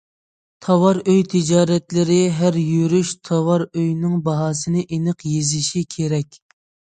تاۋار ئۆي تىجارەتچىلىرى ھەر يۈرۈش تاۋار ئۆينىڭ باھاسىنى ئېنىق يېزىشى كېرەك.